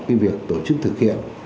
cái việc tổ chức thực hiện